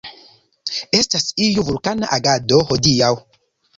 Estas iu vulkana agado hodiaŭ.